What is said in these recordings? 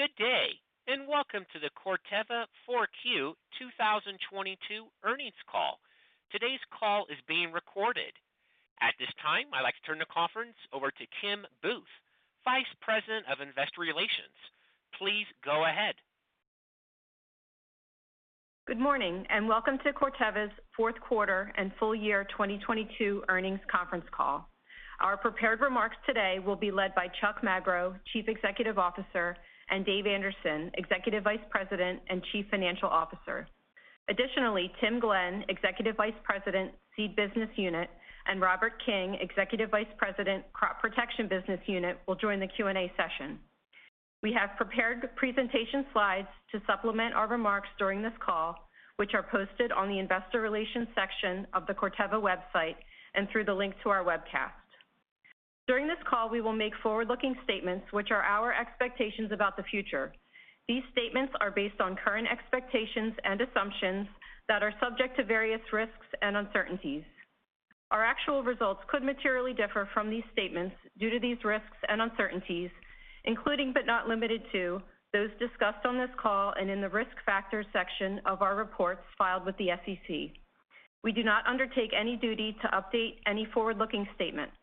Good day, and welcome to the Corteva Q4 2022 earnings call. Today's call is being recorded. At this time, I'd like to turn the conference over to Kim Booth, Vice President of Investor Relations. Please go ahead. Good morning, welcome to Corteva's Q4 and full year 2022 earnings conference call. Our prepared remarks today will be led by Chuck Magro, Chief Executive Officer, and Dave Anderson, Executive Vice President and Chief Financial Officer. Additionally, Tim Glenn, Executive Vice President, Seed Business Unit, and Robert King, Executive Vice President, Crop Protection Business Unit, will join the Q&A session. We have prepared presentation slides to supplement our remarks during this call, which are posted on the investor relations section of the Corteva website and through the link to our webcast. During this call, we will make forward-looking statements which are our expectations about the future. These statements are based on current expectations and assumptions that are subject to various risks and uncertainties. Our actual results could materially differ from these statements due to these risks and uncertainties, including but not limited to those discussed on this call and in the Risk Factors section of our reports filed with the SEC. We do not undertake any duty to update any forward-looking statements.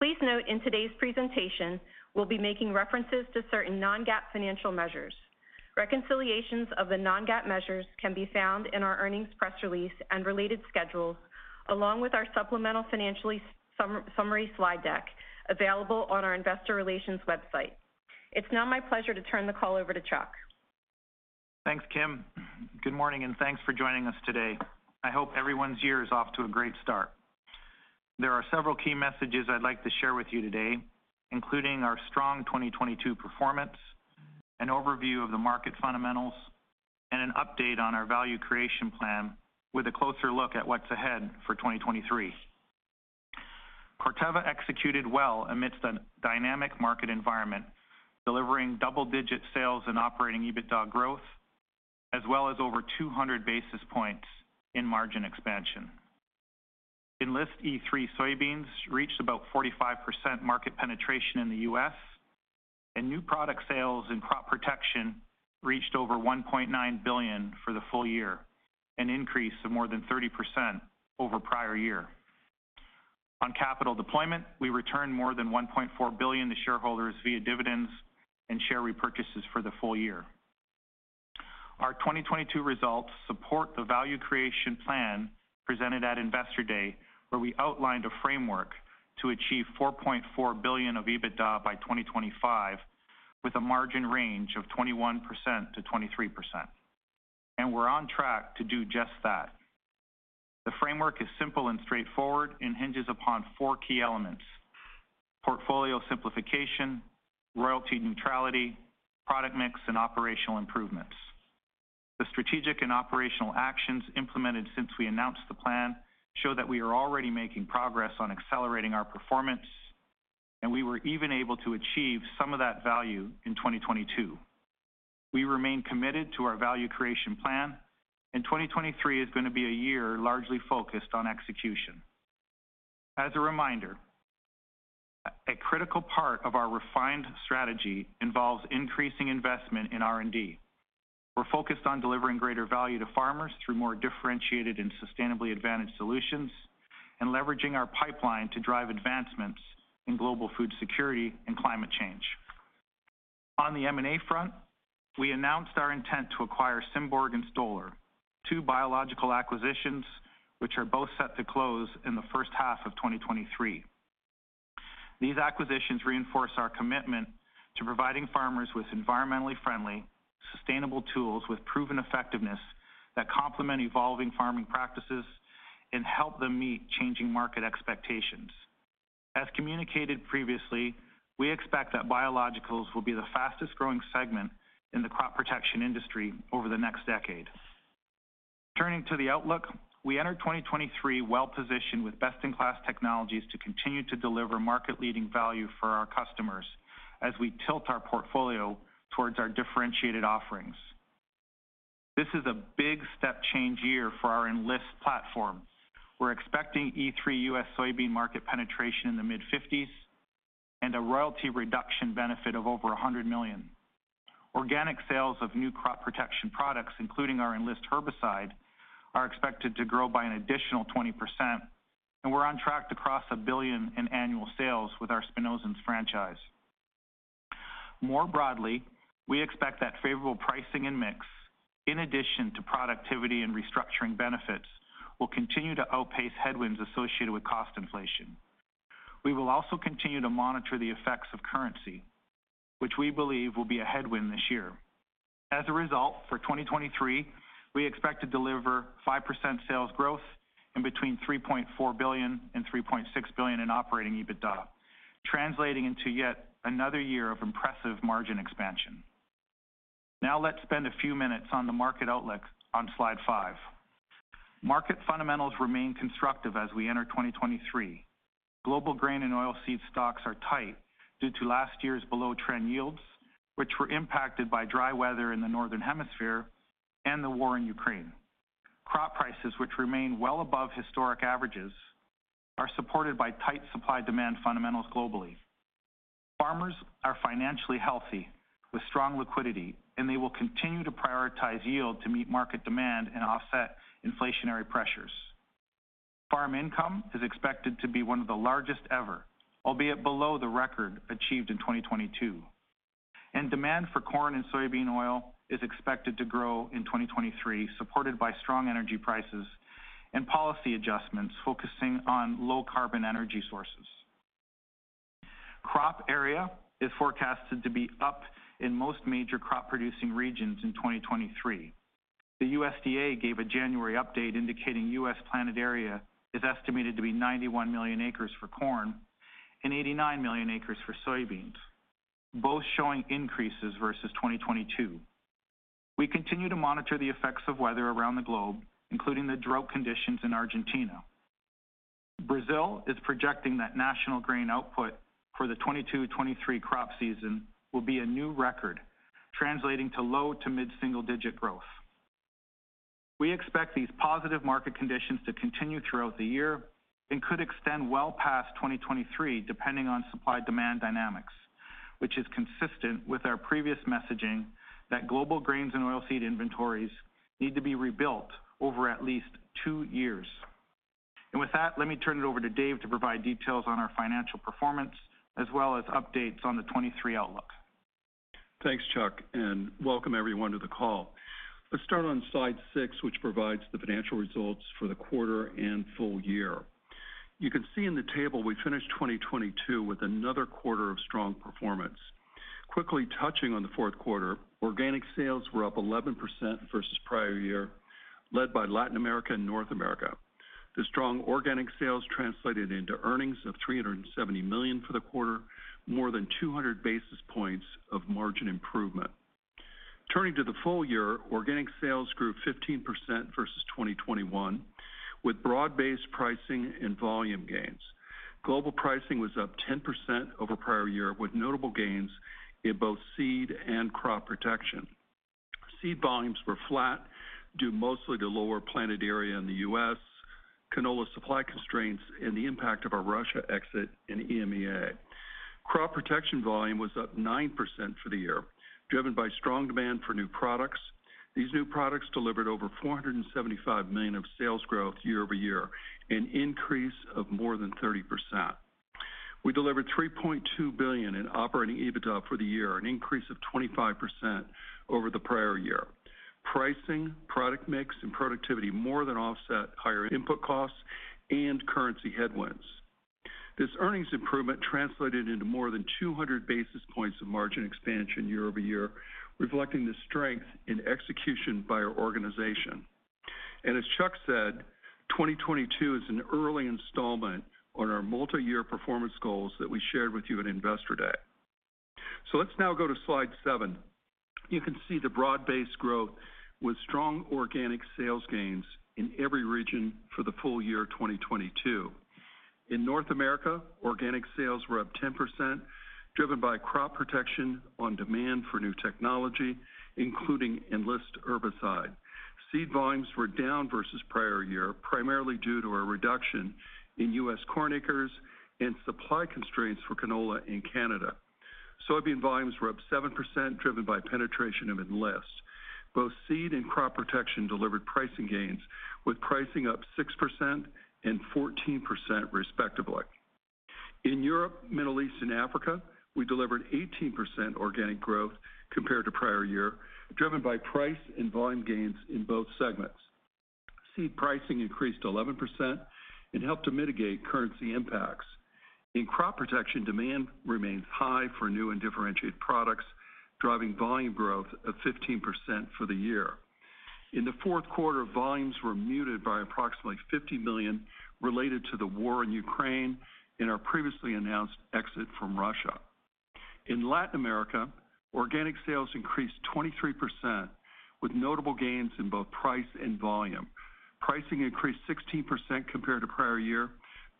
Please note in today's presentation, we'll be making references to certain non-GAAP financial measures. Reconciliations of the non-GAAP measures can be found in our earnings press release and related schedules, along with our supplemental financially summary slide deck available on our investor relations website. It's now my pleasure to turn the call over to Chuck. Thanks, Kim. Good morning, and thanks for joining us today. I hope everyone's year is off to a great start. There are several key messages I'd like to share with you today, including our strong 2022 performance, an overview of the market fundamentals, and an update on our value creation plan with a closer look at what's ahead for 2023. Corteva executed well amidst a dynamic market environment, delivering double-digit sales and operating EBITDA growth, as well as over 200 basis points in margin expansion. Enlist E3 soybeans reached about 45% market penetration in the U.S., and new product sales in crop protection reached over $1.9 billion for the full year, an increase of more than 30% over prior year. On capital deployment, we returned more than $1.4 billion to shareholders via dividends and share repurchases for the full year. Our 2022 results support the value creation plan presented at Investor Day, where we outlined a framework to achieve $4.4 billion of EBITDA by 2025, with a margin range of 21%-23%. We're on track to do just that. The framework is simple and straightforward and hinges upon four key elements: portfolio simplification, royalty neutrality, product mix, and operational improvements. The strategic and operational actions implemented since we announced the plan show that we are already making progress on accelerating our performance, and we were even able to achieve some of that value in 2022. We remain committed to our value creation plan and 2023 is gonna be a year largely focused on execution. As a reminder, a critical part of our refined strategy involves increasing investment in R&D. We're focused on delivering greater value to farmers through more differentiated and sustainably advantaged solutions and leveraging our pipeline to drive advancements in global food security and climate change. On the M&A front, we announced our intent to acquire Symborg and Stoller, two biological acquisitions which are both set to close in the first half of 2023. These acquisitions reinforce our commitment to providing farmers with environmentally friendly, sustainable tools with proven effectiveness that complement evolving farming practices and help them meet changing market expectations. As communicated previously, we expect that biologicals will be the fastest-growing segment in the crop protection industry over the next decade. Turning to the outlook, we enter 2023 well-positioned with best-in-class technologies to continue to deliver market-leading value for our customers as we tilt our portfolio towards our differentiated offerings. This is a big step change year for our Enlist platform. We're expecting E3 U.S. soybean market penetration in the mid-50s and a royalty reduction benefit of over $100 million. Organic sales of new crop protection products, including our Enlist herbicide, are expected to grow by an additional 20%, and we're on track to cross $1 billion in annual sales with our spinosyns franchise. More broadly, we expect that favorable pricing and mix, in addition to productivity and restructuring benefits, will continue to outpace headwinds associated with cost inflation. We will also continue to monitor the effects of currency, which we believe will be a headwind this year. As a result, for 2023, we expect to deliver 5% sales growth and between $3.4 billion and $3.6 billion in operating EBITDA, translating into yet another year of impressive margin expansion. Now let's spend a few minutes on the market outlook on slide five. Market fundamentals remain constructive as we enter 2023. Global grain and oilseed stocks are tight due to last year's below-trend yields, which were impacted by dry weather in the Northern Hemisphere and the war in Ukraine. Crop prices, which remain well above historic averages, are supported by tight supply-demand fundamentals globally. Farmers are financially healthy with strong liquidity, they will continue to prioritize yield to meet market demand and offset inflationary pressures. Farm income is expected to be one of the largest ever, albeit below the record achieved in 2022. Demand for corn and soybean oil is expected to grow in 2023, supported by strong energy prices and policy adjustments focusing on low carbon energy sources. Crop area is forecasted to be up in most major crop producing regions in 2023. The USDA gave a January update indicating U.S. planted area is estimated to be 91 million acres for corn and 89 million acres for soybeans, both showing increases versus 2022. We continue to monitor the effects of weather around the globe, including the drought conditions in Argentina. Brazil is projecting that national grain output for the 2022, 2023 crop season will be a new record, translating to low to mid-single digit growth. We expect these positive market conditions to continue throughout the year and could extend well past 2023, depending on supply demand dynamics, which is consistent with our previous messaging that global grains and oilseed inventories need to be rebuilt over at least two years. With that, let me turn it over to Dave to provide details on our financial performance as well as updates on the 2023 outlook. Thanks, Chuck. Welcome everyone to the call. Let's start on slide six, which provides the financial results for the quarter and full year. You can see in the table we finished 2022 with another quarter of strong performance. Quickly touching on the Q4. Organic sales were up 11% versus prior year led by Latin America and North America. The strong organic sales translated into earnings of $370 million for the quarter, more than 200 basis points of margin improvement. Turning to the full year, organic sales grew 15% versus 2021 with broad-based pricing and volume gains. Global pricing was up 10% over prior year, with notable gains in both seed and crop protection. Seed volumes were flat, due mostly to lower planted area in the U.S., canola supply constraints and the impact of our Russia exit in EMEA. Crop protection volume was up 9% for the year, driven by strong demand for new products. These new products delivered over $475 million of sales growth year-over-year, an increase of more than 30%. We delivered $3.2 billion in operating EBITDA for the year, an increase of 25% over the prior year. Pricing, product mix and productivity more than offset higher input costs and currency headwinds. This earnings improvement translated into more than 200 basis points of margin expansion year-over-year, reflecting the strength in execution by our organization. As Chuck said, 2022 is an early installment on our multi-year performance goals that we shared with you at Investor Day. Let's now go to slide seven. You can see the broad-based growth with strong organic sales gains in every region for the full year of 2022. In North America, organic sales were up 10%, driven by crop protection on demand for new technology, including Enlist herbicide. Seed volumes were down versus prior year, primarily due to a reduction in U.S. corn acres and supply constraints for canola in Canada. Soybean volumes were up 7%, driven by penetration of Enlist. Both seed and crop protection delivered pricing gains, with pricing up 6% and 14% respectively. In Europe, Middle East and Africa, we delivered 18% organic growth compared to prior year, driven by price and volume gains in both segments. Seed pricing increased 11% and helped to mitigate currency impacts. In crop protection, demand remains high for new and differentiated products, driving volume growth of 15% for the year. In the Q4, volumes were muted by approximately $50 million related to the war in Ukraine and our previously announced exit from Russia. In Latin America, organic sales increased 23% with notable gains in both price and volume. Pricing increased 16% compared to prior year,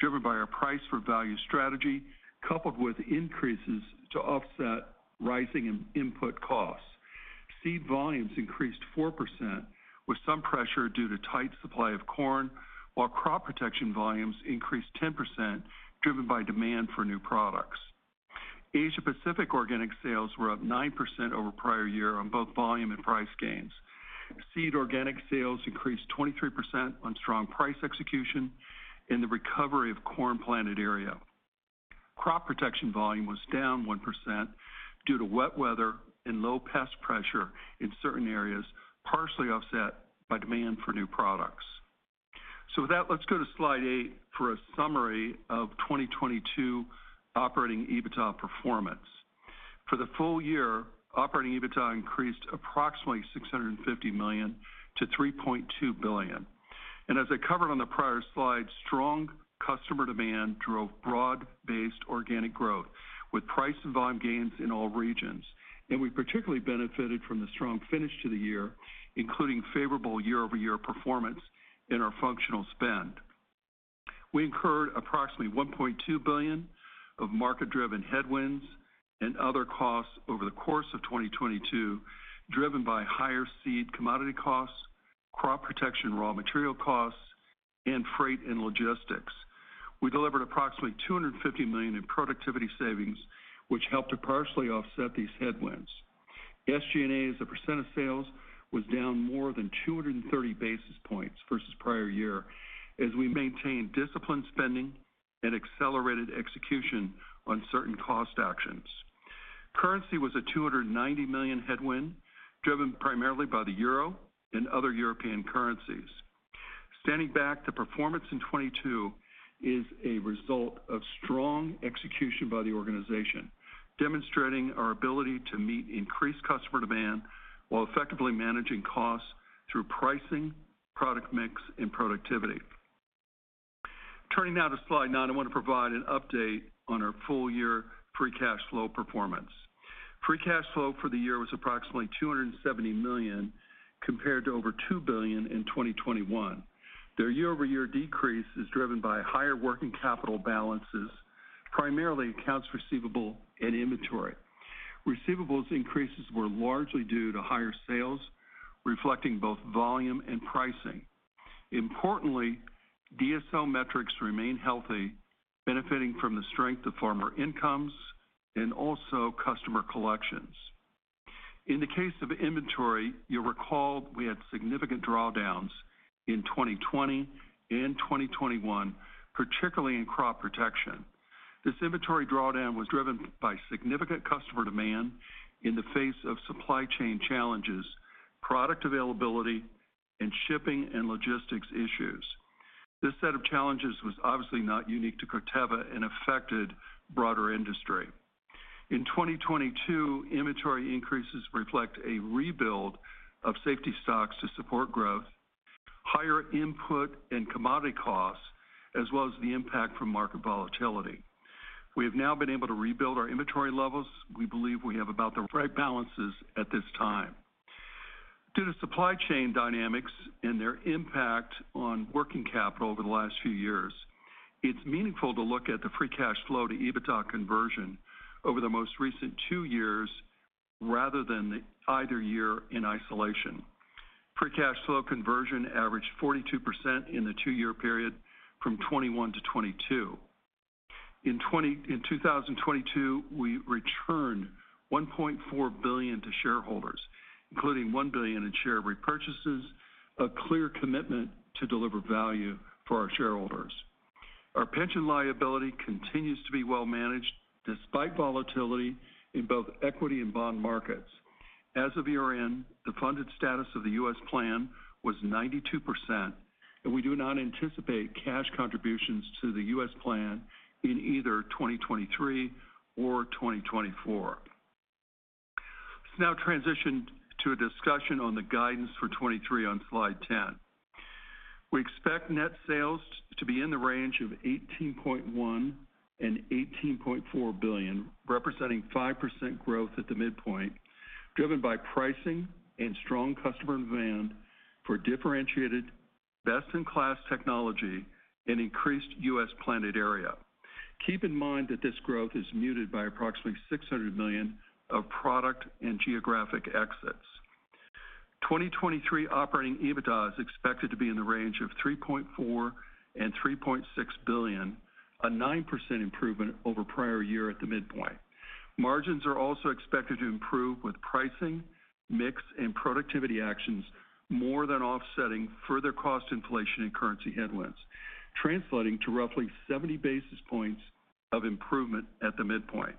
driven by our price for value strategy, coupled with increases to offset rising input costs. Seed volumes increased 4% with some pressure due to tight supply of corn, while crop protection volumes increased 10% driven by demand for new products. Asia Pacific organic sales were up 9% over prior year on both volume and price gains. Seed organic sales increased 23% on strong price execution and the recovery of corn planted area. Crop protection volume was down 1% due to wet weather and low pest pressure in certain areas, partially offset by demand for new products. With that, let's go to slide eight for a summary of 2022 operating EBITDA performance. For the full year, operating EBITDA increased approximately $650 million-$3.2 billion. As I covered on the prior slide, strong customer demand drove broad-based organic growth with price and volume gains in all regions. We particularly benefited from the strong finish to the year, including favorable year-over-year performance in our functional spend. We incurred approximately $1.2 billion of market-driven headwinds and other costs over the course of 2022, driven by higher seed commodity costs, crop protection raw material costs, and freight and logistics. We delivered approximately $250 million in productivity savings, which helped to partially offset these headwinds. SG&A, as a percent of sales, was down more than 230 basis points versus prior year as we maintained disciplined spending and accelerated execution on certain cost actions. Currency was a $290 million headwind, driven primarily by the euro and other European currencies. Standing back, the performance in 2022 is a result of strong execution by the organization, demonstrating our ability to meet increased customer demand while effectively managing costs through pricing, product mix, and productivity. Turning now to slide nine, I want to provide an update on our full-year free cash flow performance. Free cash flow for the year was approximately $270 million, compared to over $2 billion in 2021. The year-over-year decrease is driven by higher working capital balances, primarily accounts receivable and inventory. Receivables increases were largely due to higher sales, reflecting both volume and pricing. Importantly, DSO metrics remain healthy, benefiting from the strength of farmer incomes and also customer collections. In the case of inventory, you'll recall we had significant drawdowns in 2020 and 2021, particularly in crop protection. This inventory drawdown was driven by significant customer demand in the face of supply chain challenges, product availability, and shipping and logistics issues. This set of challenges was obviously not unique to Corteva and affected broader industry. In 2022, inventory increases reflect a rebuild of safety stocks to support growth, higher input and commodity costs, as well as the impact from market volatility. We have now been able to rebuild our inventory levels. We believe we have about the right balances at this time. Due to supply chain dynamics and their impact on working capital over the last two years, it's meaningful to look at the free cash flow to EBITDA conversion over the most recent two years rather than either year in isolation. Free cash flow conversion averaged 42% in the two-year period from 2021-2022. In 2022, we returned $1.4 billion to shareholders, including $1 billion in share repurchases, a clear commitment to deliver value for our shareholders. Our pension liability continues to be well managed despite volatility in both equity and bond markets. As of year-end, the funded status of the U.S. plan was 92%. We do not anticipate cash contributions to the U.S. plan in either 2023 or 2024. Let's now transition to a discussion on the guidance for 2023 on slide 10. We expect net sales to be in the range of $18.1 billion and $18.4 billion, representing 5% growth at the midpoint, driven by pricing and strong customer demand for differentiated best-in-class technology and increased U.S. planted area. Keep in mind that this growth is muted by approximately $600 million of product and geographic exits. 2023 operating EBITDA is expected to be in the range of $3.4 billion and $3.6 billion, a 9% improvement over prior year at the midpoint. Margins are also expected to improve with pricing, mix, and productivity actions more than offsetting further cost inflation and currency headwinds, translating to roughly 70 basis points of improvement at the midpoint.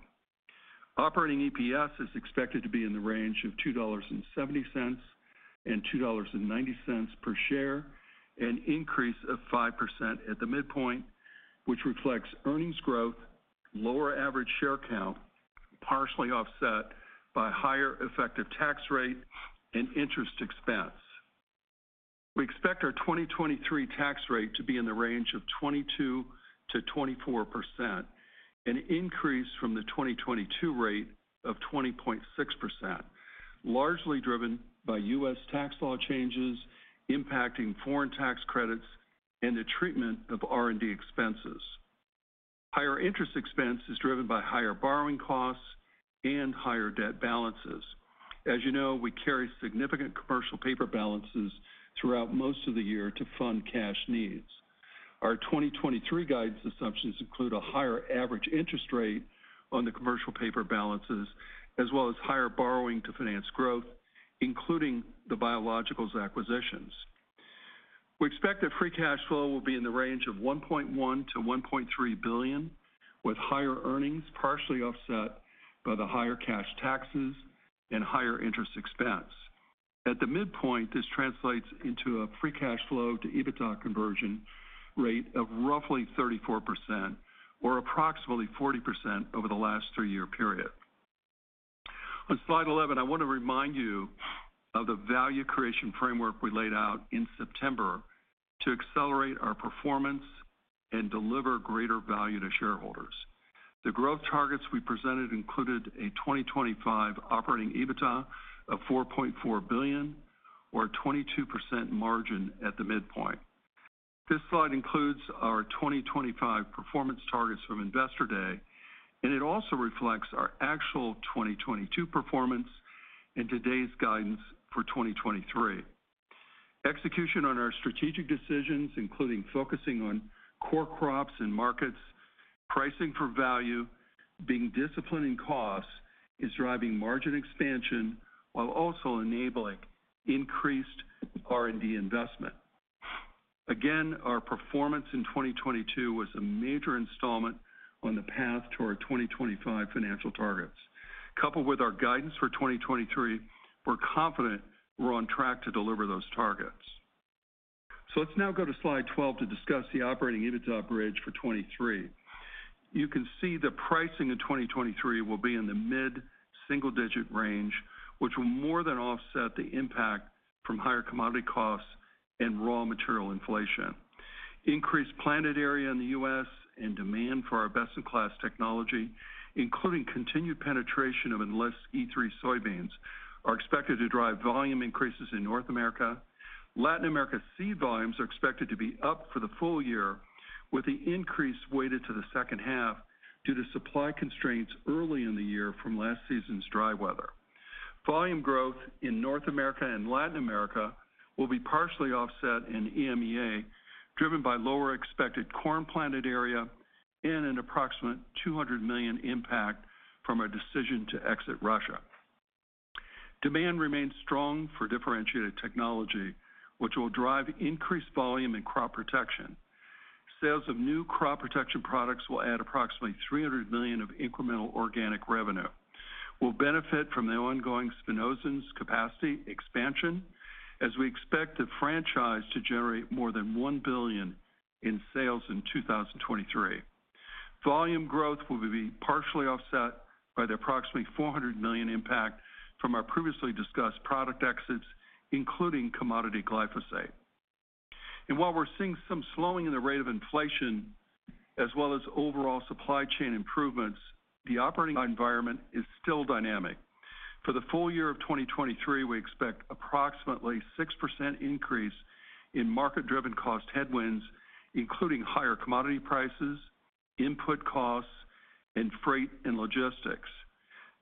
Operating EPS is expected to be in the range of $2.70-$2.90 per share, an increase of 5% at the midpoint, which reflects earnings growth, lower average share count, partially offset by higher effective tax rate and interest expense. We expect our 2023 tax rate to be in the range of 22%-24%, an increase from the 2022 rate of 20.6%, largely driven by U.S. tax law changes impacting foreign tax credits and the treatment of R&D expenses. Higher interest expense is driven by higher borrowing costs and higher debt balances. As you know, we carry significant commercial paper balances throughout most of the year to fund cash needs. Our 2023 guidance assumptions include a higher average interest rate on the commercial paper balances as well as higher borrowing to finance growth, including the Biologicals acquisitions. We expect that free cash flow will be in the range of $1.1 billion-$1.3 billion, with higher earnings partially offset by the higher cash taxes and higher interest expense. At the midpoint, this translates into a free cash flow to EBITDA conversion rate of roughly 34% or approximately 40% over the last three-year period. On slide 11, I want to remind you of the value creation framework we laid out in September to accelerate our performance and deliver greater value to shareholders. The growth targets we presented included a 2025 operating EBITDA of $4.4 billion or a 22% margin at the midpoint. This slide includes our 2025 performance targets from Investor Day, and it also reflects our actual 2022 performance and today's guidance for 2023. Execution on our strategic decisions, including focusing on core crops and markets, pricing for value, being disciplined in costs, is driving margin expansion while also enabling increased R&D investment. Again, our performance in 2022 was a major installment on the path to our 2025 financial targets. Coupled with our guidance for 2023, we're confident we're on track to deliver those targets. Let's now go to slide 12 to discuss the operating EBITDA bridge for 2023. You can see the pricing in 2023 will be in the mid-single digit range, which will more than offset the impact from higher commodity costs and raw material inflation. Increased planted area in the U.S. and demand for our best-in-class technology, including continued penetration of Enlist E3 soybeans, are expected to drive volume increases in North America. Latin America seed volumes are expected to be up for the full year, with the increase weighted to the second half due to supply constraints early in the year from last season's dry weather. Volume growth in North America and Latin America will be partially offset in EMEA, driven by lower expected corn planted area and an approximate $200 million impact from our decision to exit Russia. Demand remains strong for differentiated technology, which will drive increased volume in crop protection. Sales of new crop protection products will add approximately $300 million of incremental organic revenue. We'll benefit from the ongoing spinosyns capacity expansion as we expect the franchise to generate more than $1 billion in sales in 2023. Volume growth will be partially offset by the approximately $400 million impact from our previously discussed product exits, including commodity glyphosate. While we're seeing some slowing in the rate of inflation as well as overall supply chain improvements, the operating environment is still dynamic. For the full year of 2023, we expect approximately 6% increase in market-driven cost headwinds, including higher commodity prices, input costs, and freight and logistics.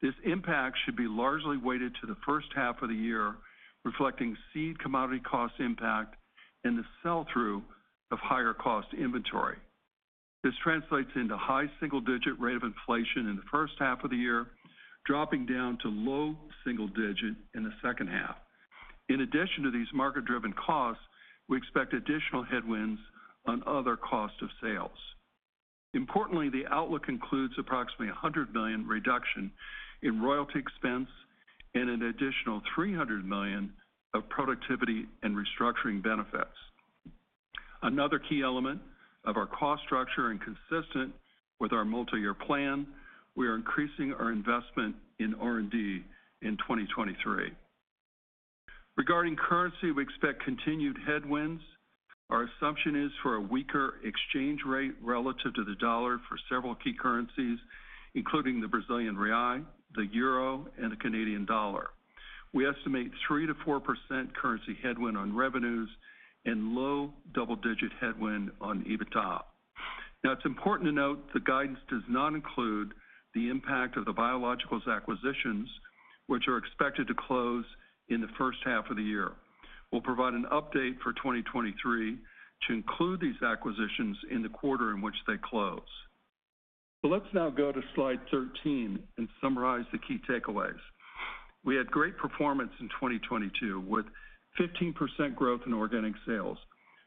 This impact should be largely weighted to the first half of the year, reflecting seed commodity cost impact and the sell-through of higher cost inventory. This translates into high single digit rate of inflation in the first half of the year, dropping down to low double digit in the second half. In addition to these market-driven costs, we expect additional headwinds on other cost of sales. Importantly, the outlook includes approximately $100 million reduction in royalty expense and an additional $300 million of productivity and restructuring benefits. Another key element of our cost structure and consistent with our multi-year plan, we are increasing our investment in R&D in 2023. Regarding currency, we expect continued headwinds. Our assumption is for a weaker exchange rate relative to the dollar for several key currencies, including the Brazilian real, the euro, and the Canadian dollar. We estimate 3%-4% currency headwind on revenues and low double-digit headwind on EBITDA. It's important to note the guidance does not include the impact of the biologicals acquisitions, which are expected to close in the first half of the year. We'll provide an update for 2023 to include these acquisitions in the quarter in which they close. Let's now go to slide 13 and summarize the key takeaways. We had great performance in 2022 with 15% growth in organic sales,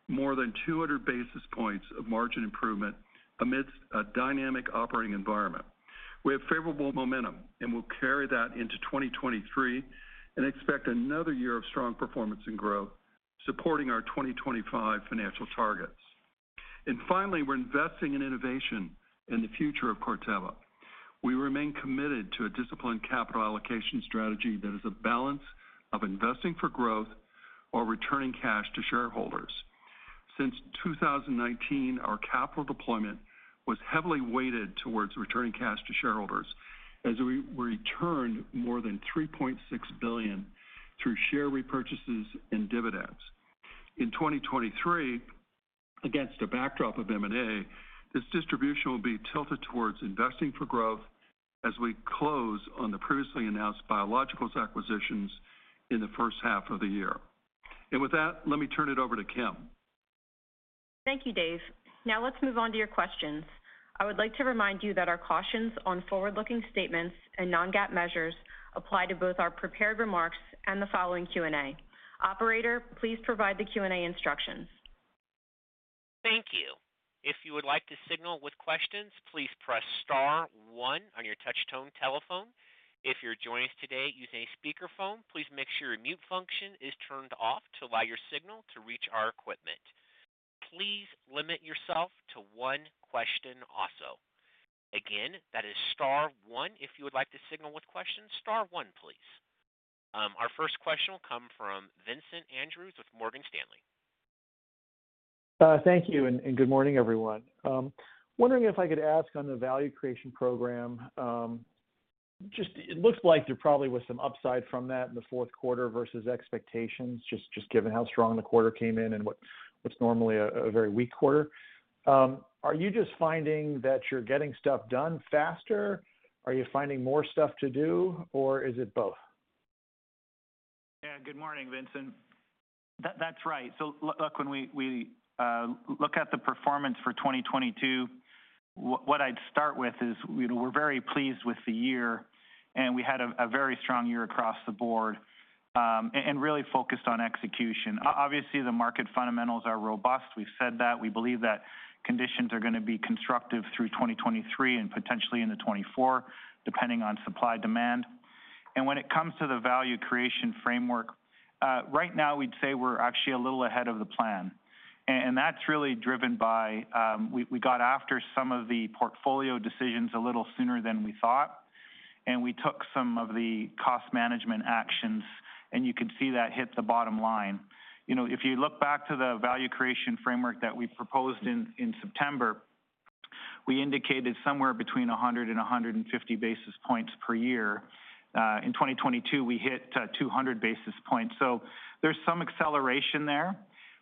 more than 200 basis points of margin improvement amidst a dynamic operating environment. We have favorable momentum, and we'll carry that into 2023 and expect another year of strong performance and growth supporting our 2025 financial targets. Finally, we're investing in innovation in the future of Corteva. We remain committed to a disciplined capital allocation strategy that is a balance of investing for growth or returning cash to shareholders. Since 2019, our capital deployment was heavily weighted towards returning cash to shareholders as we returned more than $3.6 billion through share repurchases and dividends. In 2023, against a backdrop of M&A, this distribution will be tilted towards investing for growth as we close on the previously announced biologicals acquisitions in the first half of the year. With that, let me turn it over to Kim. Thank you, Dave. Let's move on to your questions. I would like to remind you that our cautions on forward-looking statements and non-GAAP measures apply to both our prepared remarks and the following Q&A. Operator, please provide the Q&A instructions. Thank you. If you would like to signal with questions, please press star one on your touch tone telephone. If you're joining us today using a speakerphone, please make sure your mute function is turned off to allow your signal to reach our equipment. Please limit yourself to one question also. Again, that is star one if you would like to signal with questions, star one, please. Our first question will come from Vincent Andrews with Morgan Stanley. Thank you, and good morning, everyone. Wondering if I could ask on the value creation program, just it looks like there probably was some upside from that in the Q4 versus expectations, just given how strong the quarter came in and what's normally a very weak quarter. Are you just finding that you're getting stuff done faster? Are you finding more stuff to do, or is it both? Yeah. Good morning, Vincent. That's right. When we look at the performance for 2022, what I'd start with is we're very pleased with the year, and we had a very strong year across the board, and really focused on execution. Obviously, the market fundamentals are robust. We've said that. We believe that conditions are gonna be constructive through 2023 and potentially into 2024, depending on supply-demand. When it comes to the value creation framework, right now we'd say we're actually a little ahead of the plan. That's really driven by, we got after some of the portfolio decisions a little sooner than we thought, and we took some of the cost management actions, and you could see that hit the bottom line. You know, if you look back to the value creation framework that we proposed in September, we indicated somewhere between 100-150 basis points per year. In 2022, we hit 200 basis points. There's some acceleration there.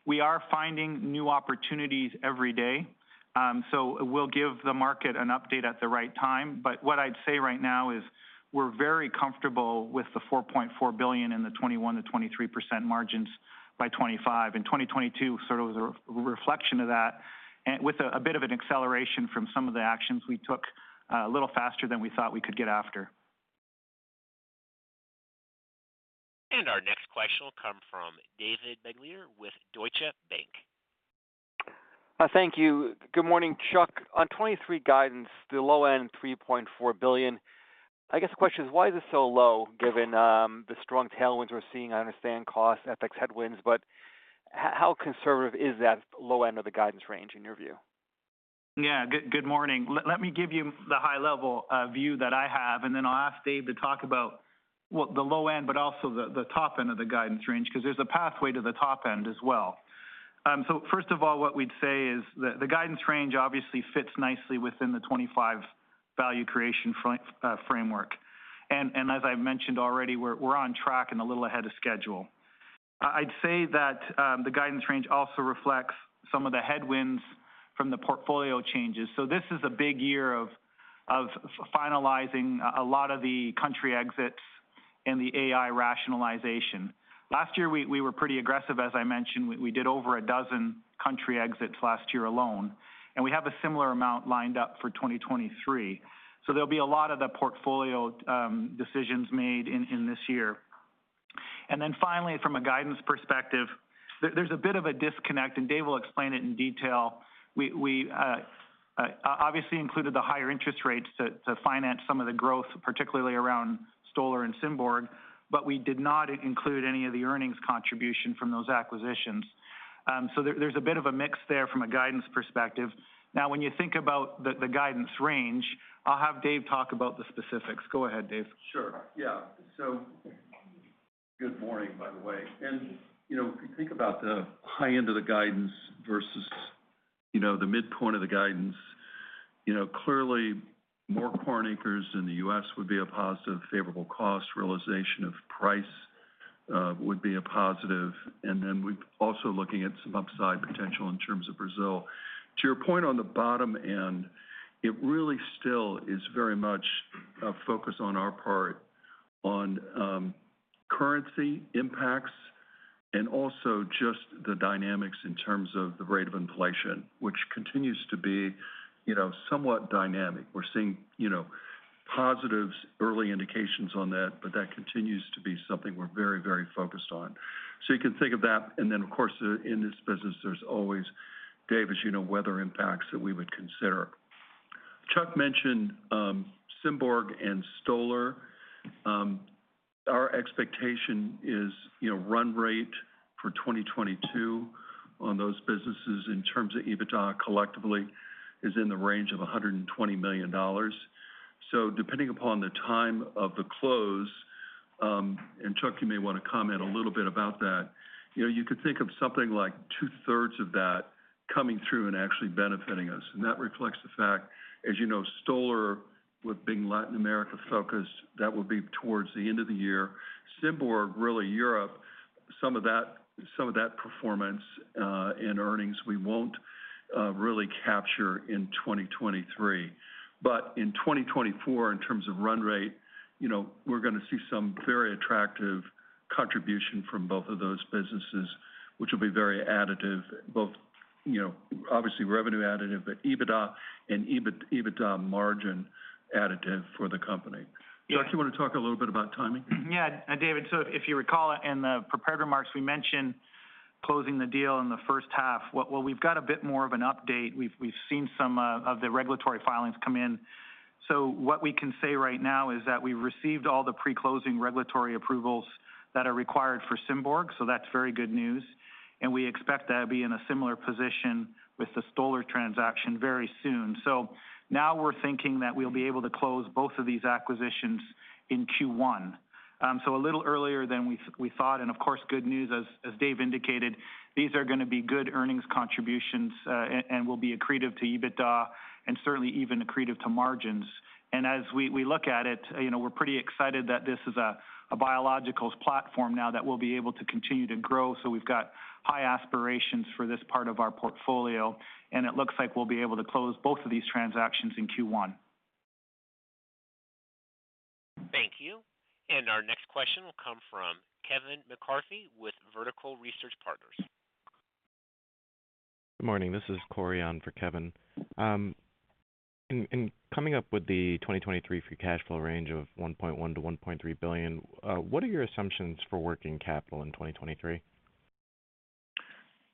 We are finding new opportunities every day, so we'll give the market an update at the right time. But what I'd say right now is we're very comfortable with the $4.4 billion and the 21%-23% margins by 2025 and 2022 sort of a re-reflection of that and with a bit of an acceleration from some of the actions we took, a little faster than we thought we could get after. Our next question will come from David Begleiter with Deutsche Bank. Thank you. Good morning, Chuck. On 2023 guidance, the low end $3.4 billion, I guess the question is, why is it so low given the strong tailwinds we're seeing? I understand costs, FX headwinds, but how conservative is that low end of the guidance range in your view? Good morning. Let me give you the high level view that I have, and then I'll ask Dave to talk about, well, the low end but also the top end of the guidance range 'cause there's a pathway to the top end as well. First of all, what we'd say is the guidance range obviously fits nicely within the 2025 value creation framework. As I've mentioned already, we're on track and a little ahead of schedule. I'd say that the guidance range also reflects some of the headwinds from the portfolio changes. This is a big year of finalizing a lot of the country exits and the AI rationalization. Last year we were pretty aggressive, as I mentioned. We did over a dozen country exits last year alone. We have a similar amount lined up for 2023. There'll be a lot of the portfolio decisions made in this year. Finally, from a guidance perspective, there's a bit of a disconnect, and Dave will explain it in detail. We obviously included the higher interest rates to finance some of the growth, particularly around Stoller and Symborg. We did not include any of the earnings contribution from those acquisitions. There's a bit of a mix there from a guidance perspective. When you think about the guidance range, I'll have Dave talk about the specifics. Go ahead, Dave. Sure. Yeah. Good morning, by the way. You know, if you think about the high end of the guidance versus, you know, the midpoint of the guidance, you know, clearly more corn acres in the U.S. would be a positive, favorable cost realization of price would be a positive, and then we're also looking at some upside potential in terms of Brazil. To your point on the bottom end, it really still is very much a focus on our part on currency impacts and also just the dynamics in terms of the rate of inflation, which continues to be, you know, somewhat dynamic. We're seeing, you know, positives, early indications on that, but that continues to be something we're very, very focused on. You can think of that. Of course, in this business, there's always, Dave, as you know, weather impacts that we would consider. Chuck mentioned Symborg and Stoller. Our expectation is, you know, run rate for 2022 on those businesses in terms of EBITDA collectively is in the range of $120 million. Depending upon the time of the close, and Chuck, you may want to comment a little bit about that, you know, you could think of something like two-thirds of that coming through and actually benefiting us, and that reflects the fact, as you know, Stoller with being Latin America-focused, that would be towards the end of the year. Symborg, really Europe, some of that performance in earnings we won't really capture in 2023. In 2024, in terms of run rate, you know, we're gonna see some very attractive contribution from both of those businesses which will be very additive, both, you know, obviously revenue additive, but EBITDA and EBITDA margin additive for the company. Yeah. Chuck, you wanna talk a little bit about timing? Yeah. David, so if you recall in the prepared remarks, we mentioned closing the deal in the first half. Well, we've got a bit more of an update. We've seen some of the regulatory filings come in. What we can say right now is that we received all the pre-closing regulatory approvals that are required for Symborg, that's very good news, and we expect to be in a similar position with the Stoller transaction very soon. Now we're thinking that we'll be able to close both of these acquisitions in Q1. A little earlier than we thought, and of course, good news, as Dave indicated, these are gonna be good earnings contributions, and will be accretive to EBITDA and certainly even accretive to margins. As we look at it, you know, we're pretty excited that this is a biologicals platform now that we'll be able to continue to grow. We've got high aspirations for this part of our portfolio. It looks like we'll be able to close both of these transactions in Q1. Thank you. Our next question will come from Kevin McCarthy with Vertical Research Partners. Good morning. This is Cory on for Kevin. In coming up with the 2023 free cash flow range of $1.1 billion-$1.3 billion, what are your assumptions for working capital in 2023?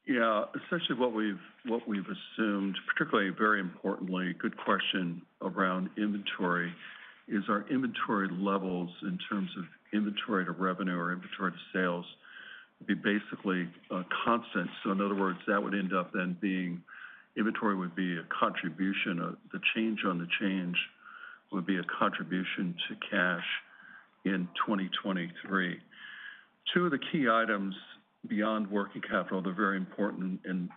Yeah. Essentially what we've assumed, particularly very importantly, good question around inventory, is our inventory levels in terms of inventory to revenue or inventory to sales would be basically a constant. In other words, that would end up then being inventory would be a contribution. The change on the change would be a contribution to cash in 2023. Two of the key items beyond working capital, they're very important and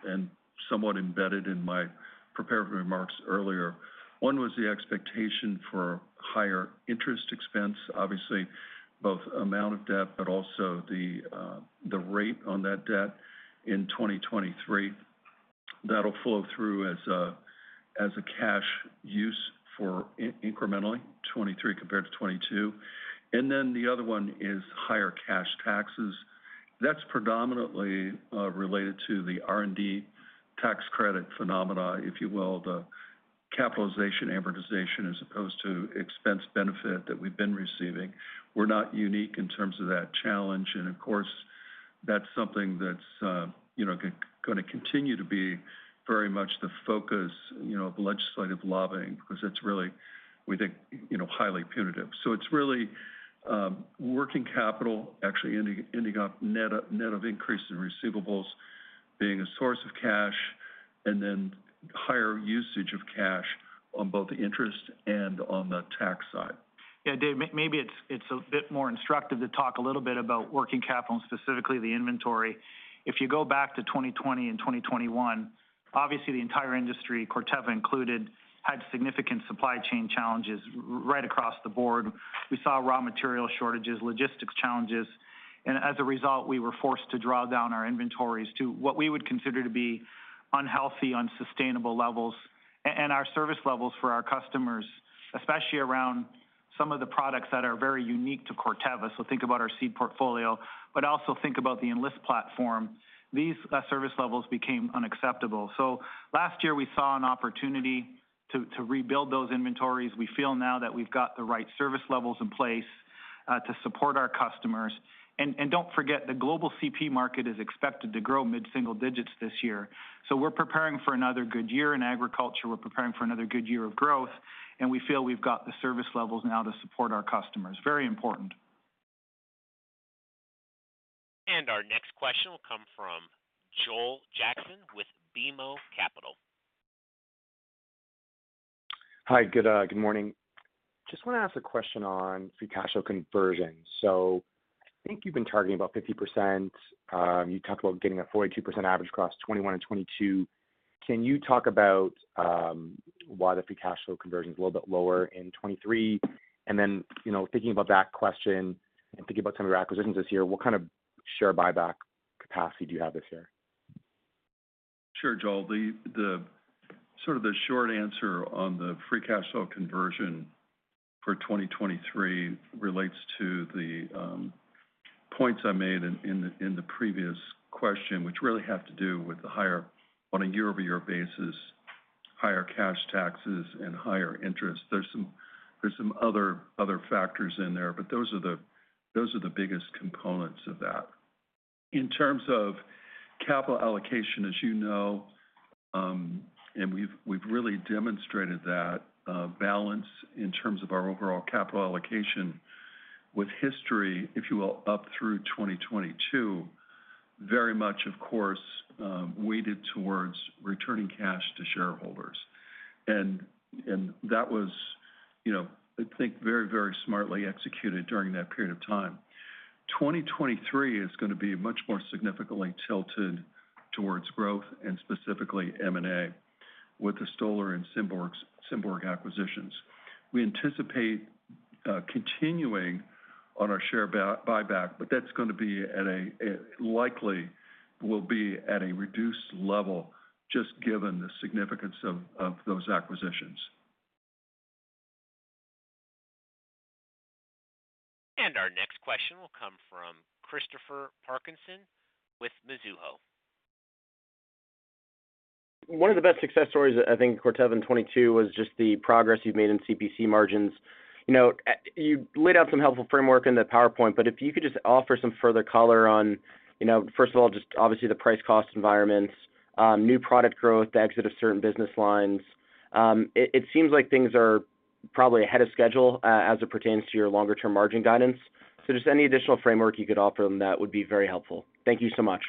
somewhat embedded in my prepared remarks earlier. One was the expectation for higher interest expense, obviously both amount of debt, but also the rate on that debt in 2023. That'll flow through as a cash use for incrementally, 2023 compared to 2022. Then the other one is higher cash taxes. That's predominantly related to the R&D tax credit phenomena, if you will, the capitalization amortization as opposed to expense benefit that we've been receiving. We're not unique in terms of that challenge. Of course, that's something that's, you know, gonna continue to be very much the focus, you know, of legislative lobbying because it's really, we think, you know, highly punitive. It's really, working capital actually ending up net of increase in receivables being a source of cash and then higher usage of cash on both the interest and on the tax side. Dave, maybe it's a bit more instructive to talk a little bit about working capital and specifically the inventory. If you go back to 2020 and 2021, obviously the entire industry, Corteva included, had significant supply chain challenges right across the board. We saw raw material shortages, logistics challenges, and as a result, we were forced to draw down our inventories to what we would consider to be unhealthy, unsustainable levels. Our service levels for our customers, especially around some of the products that are very unique to Corteva, so think about our seed portfolio, but also think about the Enlist platform. These service levels became unacceptable. Last year, we saw an opportunity to rebuild those inventories. We feel now that we've got the right service levels in place to support our customers. Don't forget, the global CP market is expected to grow mid-single digits this year. We're preparing for another good year in agriculture. We're preparing for another good year of growth, and we feel we've got the service levels now to support our customers. Very important. Our next question will come from Joel Jackson with BMO Capital. Hi, good morning. Just wanna ask a question on free cash flow conversion. I think you've been targeting about 50%. You talked about getting a 42% average across 2021 and 2022. Can you talk about why the free cash flow conversion is a little bit lower in 2023? You know, thinking about that question and thinking about some of your acquisitions this year, what kind of share buyback capacity do you have this year? Sure, Joel. The sort of the short answer on the free cash flow conversion for 2023 relates to the points I made in the previous question, which really have to do with the higher, on a year-over-year basis, higher cash taxes and higher interest. There's some other factors in there, but those are the biggest components of that. In terms of capital allocation, as you know, we've really demonstrated that balance in terms of our overall capital allocation with history, if you will, up through 2022, very much, of course, weighted towards returning cash to shareholders. That was, you know, I think very, very smartly executed during that period of time. 2023 is gonna be much more significantly tilted towards growth and specifically M&A with the Stoller and Symborg acquisitions. We anticipate continuing on our share buyback, but that's gonna be at a likely will be at a reduced level just given the significance of those acquisitions. Our next question will come from Christopher Parkinson with Mizuho. One of the best success stories I think Corteva in 2022 was just the progress you've made in CPC margins. You know, you laid out some helpful framework in the PowerPoint, but if you could just offer some further color on, you know, first of all, just obviously the price cost environments, new product growth, the exit of certain business lines. It seems like things are probably ahead of schedule, as it pertains to your longer term margin guidance. Just any additional framework you could offer on that would be very helpful. Thank you so much.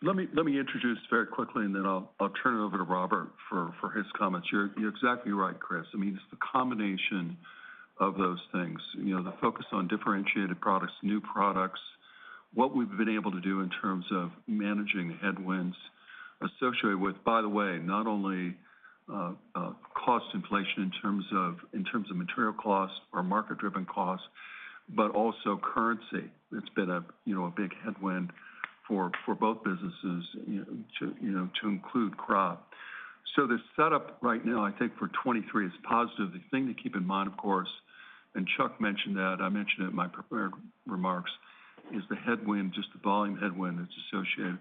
Let me introduce very quickly and then I'll turn it over to Robert for his comments. You're exactly right, Chris. I mean, it's the combination of those things. You know, the focus on differentiated products, new products. What we've been able to do in terms of managing headwinds associated with, by the way, not only cost inflation in terms of, in terms of material costs or market-driven costs, but also currency. It's been a, you know, a big headwind for both businesses, you know, to, you know, to include Crop. The setup right now, I think, for 2023 is positive. The thing to keep in mind, of course, and Chuck mentioned that, I mentioned it in my prepared remarks, is the headwind, just the volume headwind that's associated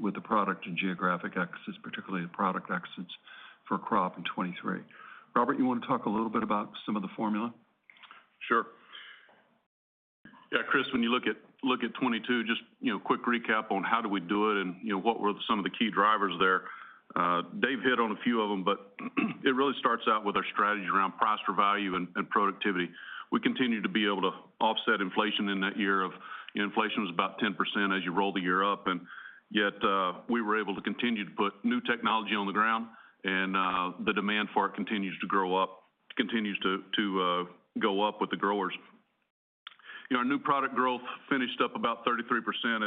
with the product and geographic exits, particularly the product exits for Crop in 2023. Robert, you wanna talk a little bit about some of the formula? Sure. Yeah, Chris, when you look at, look at 2022, just, you know, quick recap on how do we do it and, you know, what were some of the key drivers there. Dave hit on a few of them, but it really starts out with our strategy around price for value and productivity. We continue to be able to offset inflation in that year of, you know, inflation was about 10% as you roll the year up, and yet, we were able to continue to put new technology on the ground and the demand for it continues to grow up, continues to go up with the growers. You know, our new product growth finished up about 33%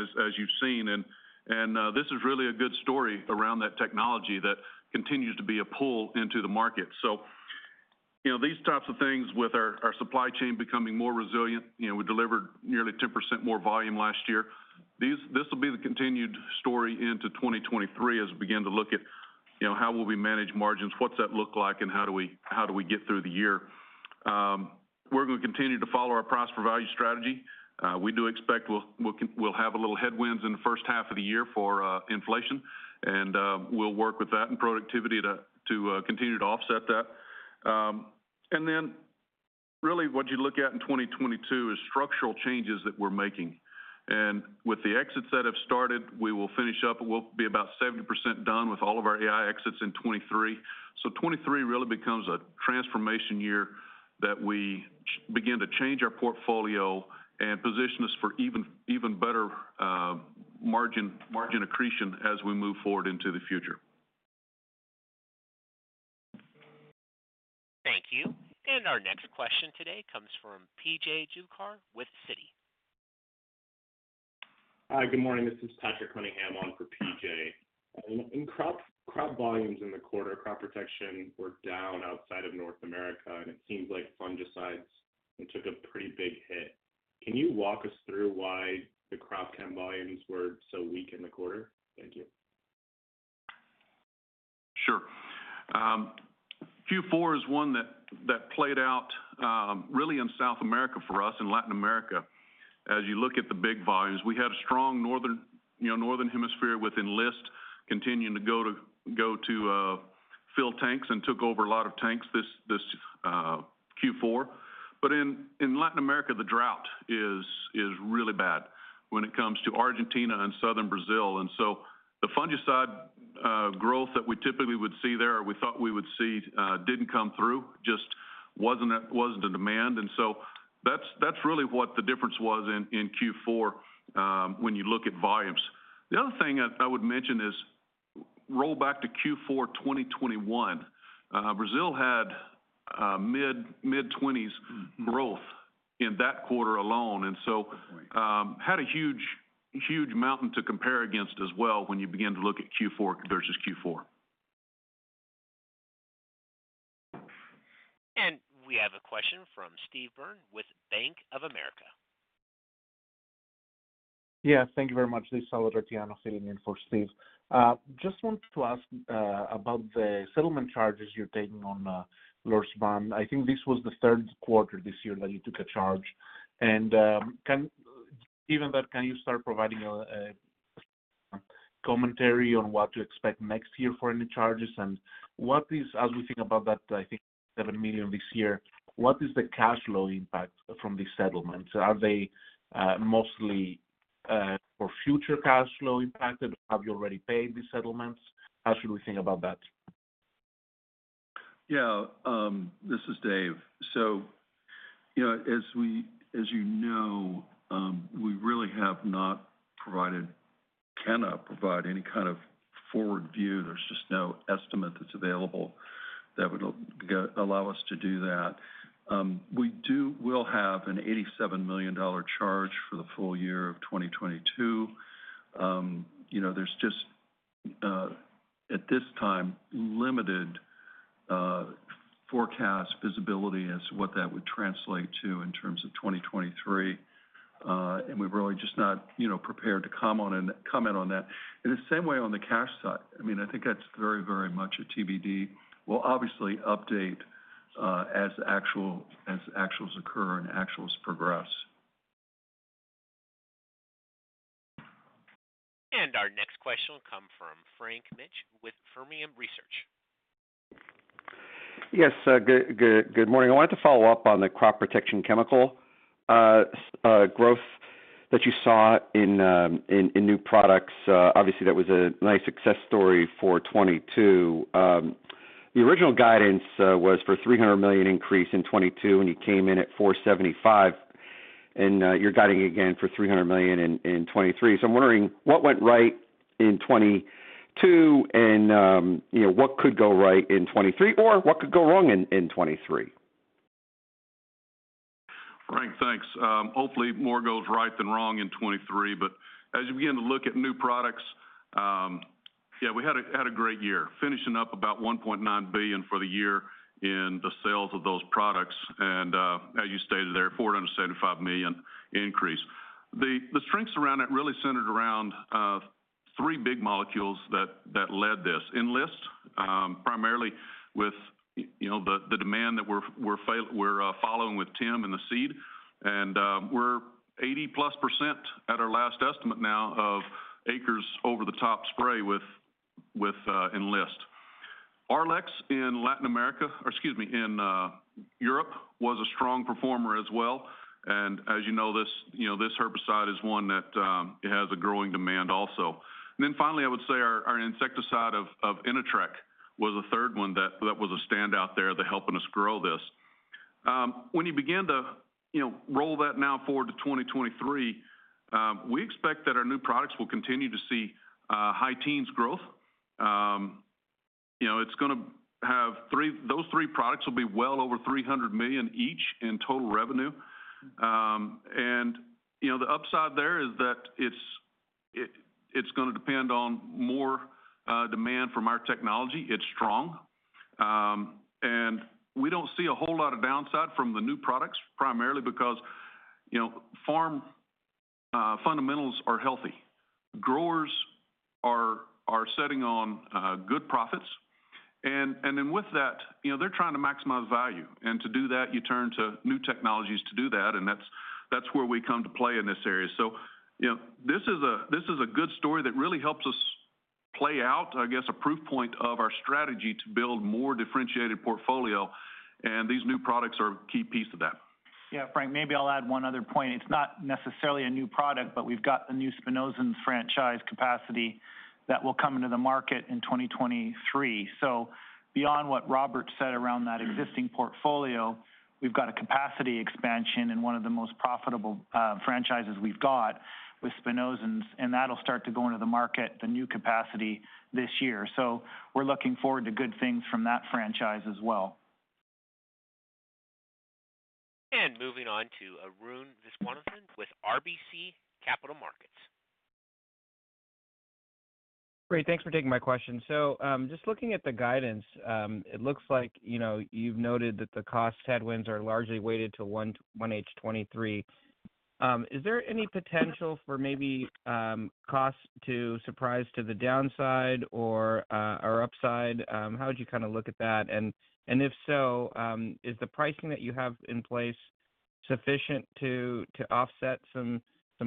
as you've seen. This is really a good story around that technology that continues to be a pull into the market. You know, these types of things with our supply chain becoming more resilient, you know, we delivered nearly 10% more volume last year. This will be the continued story into 2023 as we begin to look at, you know, how will we manage margins, what's that look like, and how do we, how do we get through the year? We're gonna continue to follow our price for value strategy. We do expect we'll have a little headwinds in the first half of the year for inflation and we'll work with that and productivity to continue to offset that. Really what you look at in 2022 is structural changes that we're making. With the exits that have started, we will finish up. We'll be about 70% done with all of our AI exits in 2023. So, 2023 really becomes a transformation year that we begin to change our portfolio and position us for even better margin accretion as we move forward into the future. Thank you. Our next question today comes from PJ Juvekar with Citi. Hi, good morning. This is Patrick Cunningham on for PJ. In crop volumes in the quarter, crop protection were down outside of North America, and it seems like fungicides took a pretty big hit. Can you walk us through why the crop chem volumes were so weak in the quarter? Thank you. Sure. Q4 is one that played out really in South America for us, in Latin America. As you look at the big volumes, we have strong northern, you know, Northern Hemisphere with Enlist continuing to go to fill tanks and took over a lot of tanks this Q4. In Latin America, the drought is really bad when it comes to Argentina and Southern Brazil. The fungicide growth that we typically would see there, or we thought we would see, didn't come through, just wasn't the demand. That's really what the difference was in Q4 when you look at volumes. The other thing I would mention is roll back to Q4 2021. Brazil had mid-20s growth in that quarter alone. Good point.... had a huge mountain to compare against as well when you begin to look at Q4 versus Q4. We have a question from Steve Byrne with Bank of America. Yeah. Thank you very much. This is Salvatore Tiano filling in for Steve. Just wanted to ask about the settlement charges you're taking on Lorsban. I think this was the Q3 this year that you took a charge. Given that, can you start providing a commentary on what to expect next year for any charges? What is, as we think about that, I think $7 million this year, the cash flow impact from these settlements? Are they mostly for future cash flow impacted or have you already paid these settlements? How should we think about that? Yeah. This is Dave. You know, as we, as you know, cannot provide any kind of forward view. There's just no estimate that's available that would allow us to do that. We'll have a $87 million charge for the full year of 2022. You know, there's just at this time, limited forecast visibility as to what that would translate to in terms of 2023. We're really just not, you know, prepared to comment on that. In the same way on the cash side, I mean, I think that's very, very much a TBD. We'll obviously update as actuals occur and actuals progress. Our next question will come from Frank Mitsch with Fermium Research. Yes. Good morning. I wanted to follow up on the crop protection chemical growth that you saw in new products. Obviously, that was a nice success story for 2022. The original guidance was for $300 million increase in 2022, and you came in at $475 million. You're guiding again for $300 million in 2023. I'm wondering what went right in 2022 and, you know, what could go right in 2023? What could go wrong in 2023? Frank, thanks. Hopefully more goes right than wrong in 2023. As you begin to look at new products, we had a great year, finishing up about $1.9 billion for the year in the sales of those products and, as you stated there, $475 million increase. The strengths around it really centered around three big molecules that led this. Enlist, primarily with, you know, the demand that we're following with Tim and the seed, and, we're 80%+ at our last estimate now of acres over the top spray with Enlist. Arylex, or excuse me, in Europe was a strong performer as well, and as you know, this, you know, this herbicide is one that it has a growing demand also. Finally, I would say our insecticide of Inatreq was the third one that was a standout there, helping us grow this. When you begin to, you know, roll that now forward to 2023, we expect that our new products will continue to see high teens growth. You know, those three products will be well over $300 million each in total revenue. You know, the upside there is that it's gonna depend on more demand from our technology. It's strong. We don't see a whole lot of downside from the new products, primarily because, you know, farm fundamentals are healthy. Growers are sitting on good profits and with that, you know, they're trying to maximize value. To do that, you turn to new technologies to do that, and that's where we come to play in this area. You know, this is a good story that really helps us play out, I guess, a proof point of our strategy to build more differentiated portfolio, and these new products are a key piece of that. Yeah. Frank, maybe I'll add one other point. It's not necessarily a new product, but we've got the new spinosyns franchise capacity that will come into the market in 2023. Beyond what Robert said around that existing portfolio, we've got a capacity expansion in one of the most profitable franchises we've got with spinosyns, and that'll start to go into the market, the new capacity this year. We're looking forward to good things from that franchise as well. Moving on to Arun Viswanathan with RBC Capital Markets. Great. Thanks for taking my question. Just looking at the guidance, it looks like, you know, you've noted that the cost headwinds are largely weighted to 1H 2023. Is there any potential for maybe costs to surprise to the downside or upside? How would you kind of look at that? If so, is the pricing that you have in place sufficient to offset some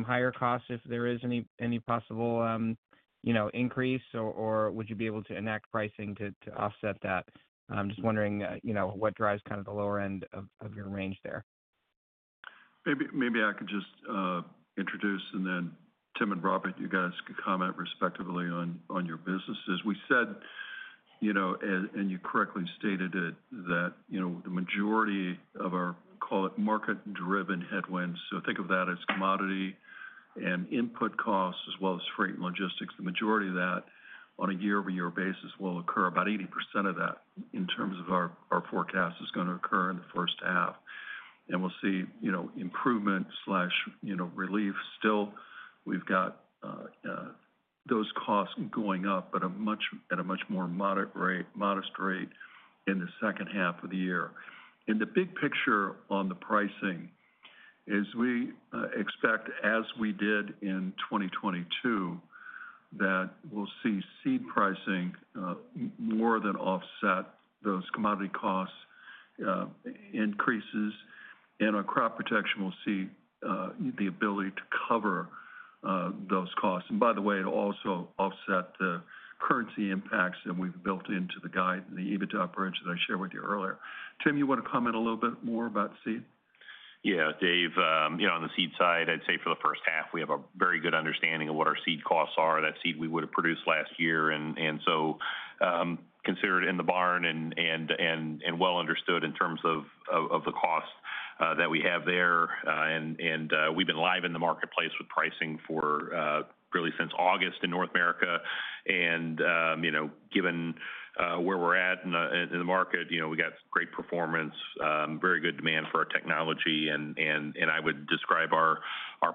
higher costs if there is any possible, you know, increase, or would you be able to enact pricing to offset that? I'm just wondering, you know, what drives kind of the lower end of your range there. Maybe I could just introduce and then Tim and Robert, you guys could comment respectively on your businesses. We said, you know, and you correctly stated it, that, you know, the majority of our, call it market-driven headwinds, so think of that as commodity and input costs as well as freight and logistics. The majority of that on a year-over-year basis will occur. About 80% of that in terms of our forecast is gonna occur in the first half. We'll see, you know, improvement slash, you know, relief. Still, we've got those costs going up, but at a much more moderate rate, modest rate in the second half of the year. In the big picture on the pricing is we expect, as we did in 2022, that we'll see Seed pricing more than offset those commodity costs increases, and our Crop Protection will see the ability to cover those costs. By the way, it'll also offset the currency impacts that we've built into the guide, the EBITDA approach that I shared with you earlier. Tim, you wanna comment a little bit more about Seed? Yeah. Dave, you know, on the seed side, I'd say for the first half, we have a very good understanding of what our seed costs are, that seed we would have produced last year, so, considered in the barn and well understood in terms of the cost that we have there. We've been live in the marketplace with pricing for really since August in North America and, you know, given where we're at in the market, you know, we got great performance, very good demand for our technology and I would describe our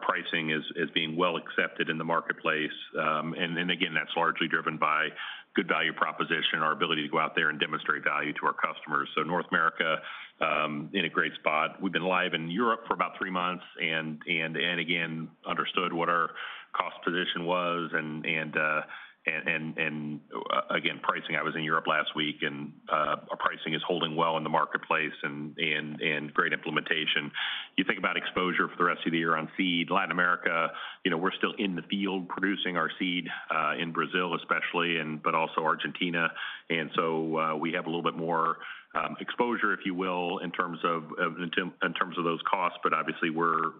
pricing as being well accepted in the marketplace. Again, that's largely driven by good value proposition, our ability to go out there and demonstrate value to our customers. North America, in a great spot. We've been live in Europe for about three months and again, understood what our cost position was and again, pricing. I was in Europe last week and our pricing is holding well in the marketplace and great implementation. You think about exposure for the rest of the year on seed. Latin America, you know, we're still in the field producing our seed in Brazil especially and also Argentina. We have a little bit more exposure, if you will, in terms of those costs, but obviously we're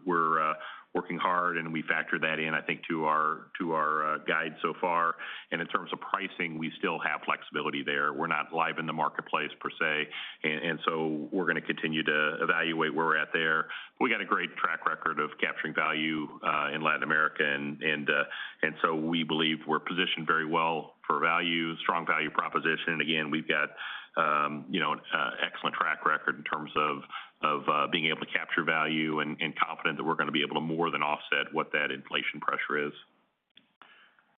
working hard and we factor that in, I think, to our guide so far. In terms of pricing, we still have flexibility there. We're not live in the marketplace per se. We're gonna continue to evaluate where we're at there. We got a great track. Capturing value, in Latin America and so we believe we're positioned very well for value, strong value proposition. Again, we've got, you know, excellent track record in terms of being able to capture value and confident that we're gonna be able to more than offset what that inflation pressure is.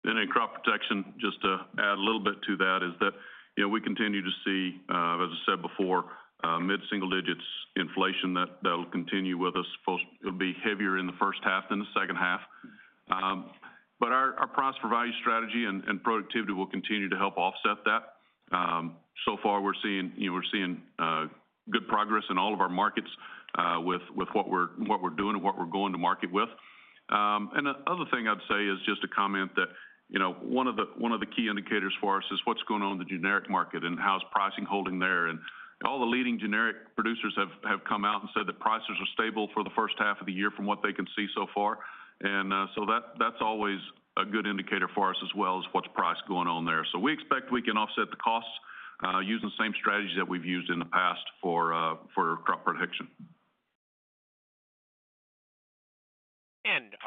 In Crop Protection, just to add a little bit to that is that, you know, we continue to see, as I said before, mid-single digits inflation that'll continue with us, it'll be heavier in the first half than the second half. Our Prosper Value strategy and productivity will continue to help offset that. So far we're seeing, you know, we're seeing good progress in all of our markets, with what we're doing and what we're going to market with. The other thing I'd say is just to comment that, you know, one of the key indicators for us is what's going on in the generic market and how's pricing holding there. All the leading generic producers have come out and said that prices are stable for the first half of the year from what they can see so far. That's always a good indicator for us as well, is what's price going on there. We expect we can offset the costs using the same strategy that we've used in the past for crop protection.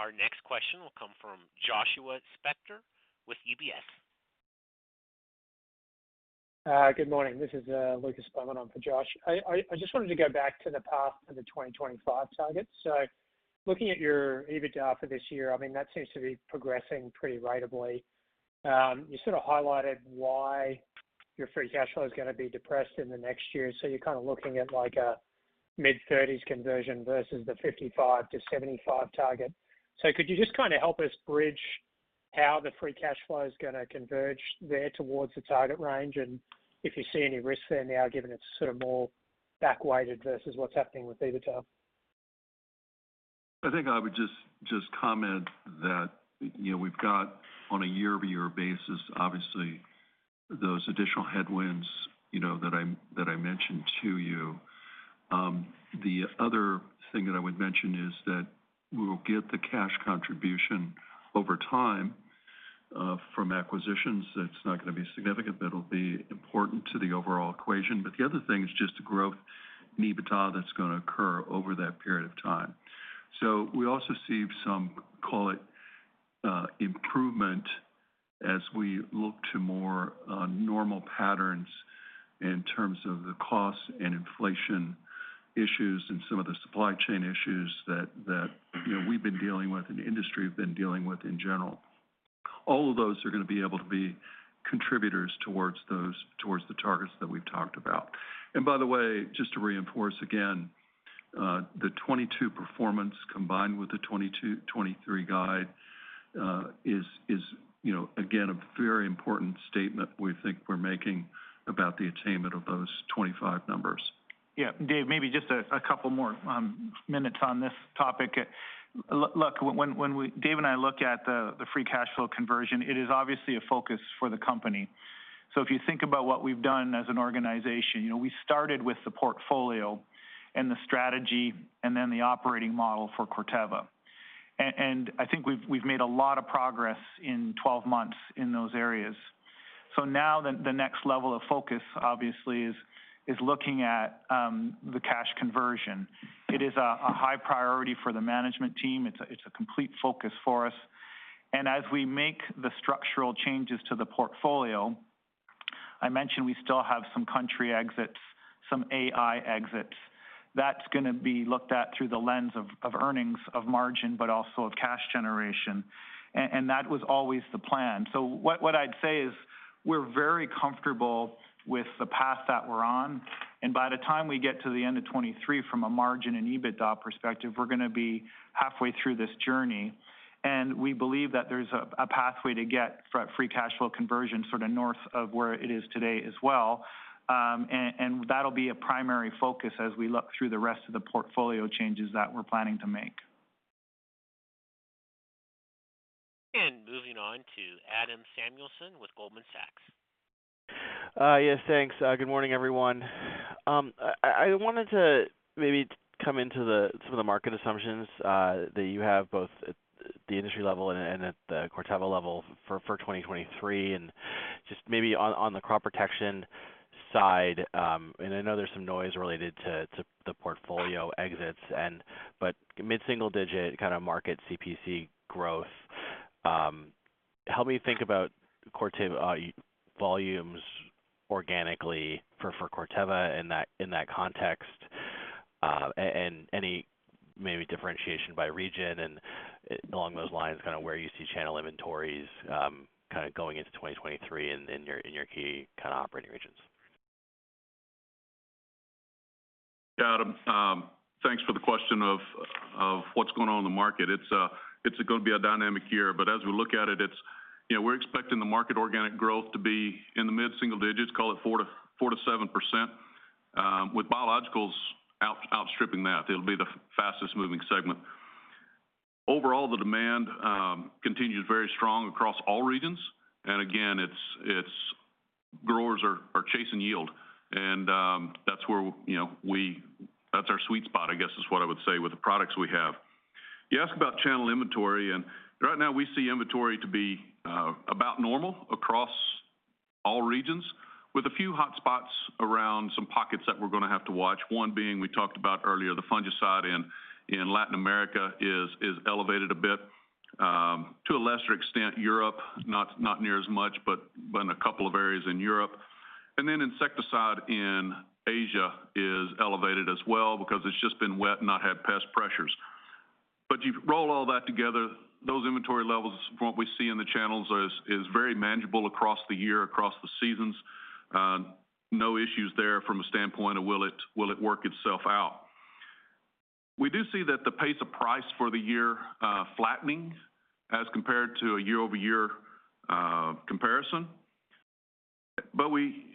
Our next question will come from Joshua Spector with UBS. Good morning. This is Lucas Spellman on for Josh. I just wanted to go back to the path for the 2025 targets. Looking at your EBITDA for this year, I mean, that seems to be progressing pretty ratably. You sort of highlighted why your free cash flow is gonna be depressed in the next year, so you're kind of looking at like a mid-30s conversion versus the 55-75 target. Could you just kind of help us bridge how the free cash flow is gonna converge there towards the target range? And if you see any risks there now, given it's sort of more back-weighted versus what's happening with EBITDA. I think I would just comment that, you know, we've got, on a year-over-year basis, obviously those additional headwinds, you know, that I mentioned to you. The other thing that I would mention is that we'll get the cash contribution over time from acquisitions. That's not gonna be significant, but it'll be important to the overall equation. The other thing is just the growth in EBITDA that's gonna occur over that period of time. We also see some, call it, improvement as we look to more normal patterns in terms of the cost and inflation issues and some of the supply chain issues that, you know, we've been dealing with and the industry have been dealing with in general. All of those are gonna be able to be contributors towards those, towards the targets that we've talked about. By the way, just to reinforce again, the 2022 performance combined with the 2022, 2023 guide, is, you know, again, a very important statement we think we're making about the attainment of those 25 numbers. Yeah. Dave, maybe just a couple more minutes on this topic. Look, when Dave and I look at the free cash flow conversion, it is obviously a focus for the company. If you think about what we've done as an organization, you know, we started with the portfolio and the strategy and then the operating model for Corteva. And I think we've made a lot of progress in 12 months in those areas. Now the next level of focus obviously is looking at the cash conversion. It is a high priority for the management team. It's a complete focus for us. As we make the structural changes to the portfolio, I mentioned we still have some country exits, some AI exits. That's gonna be looked at through the lens of earnings of margin, but also of cash generation. That was always the plan. What I'd say is we're very comfortable with the path that we're on. By the time we get to the end of 2023 from a margin and EBITDA perspective, we're gonna be halfway through this journey. We believe that there's a pathway to get free cash flow conversion sort of north of where it is today as well. That'll be a primary focus as we look through the rest of the portfolio changes that we're planning to make. Moving on to Adam Samuelson with Goldman Sachs. Yes, thanks. Good morning, everyone. I wanted to maybe come into some of the market assumptions that you have both at the industry level and at the Corteva level for 2023. Just maybe on the Crop Protection side, and I know there's some noise related to the portfolio exits, but mid-single digit kind of market CPC growth. Help me think about Corteva volumes organically for Corteva in that context. And any maybe differentiation by region and along those lines, kind of where you see channel inventories going into 2023 in your key kind of operating regions. Adam, thanks for the question of what's going on in the market. It's gonna be a dynamic year. As we look at it's, you know, we're expecting the market organic growth to be in the mid-single digits, call it 4%-7%, with biologicals outstripping that. It'll be the fastest moving segment. Overall, the demand continues very strong across all regions. Again, it's growers are chasing yield and that's where, you know, that's our sweet spot I guess, is what I would say with the products we have. You ask about channel inventory. Right now we see inventory to be about normal across all regions with a few hotspots around some. Have to watch. One being we talked about earlier, the fungicide in Latin America is elevated a bit. To a lesser extent, Europe, not near as much, but in a couple of areas in Europe. Insecticide in Asia is elevated as well because it's just been wet and not had pest pressures. You roll all that together, those inventory levels, from what we see in the channels, is very manageable across the year, across the seasons. No issues there from a standpoint of will it work itself out. We do see that the pace of price for the year flattening as compared to a year-over-year comparison.